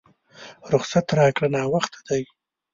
رخصت راکړه ناوخته دی!